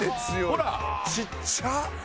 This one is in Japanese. ほら。ちっちゃ。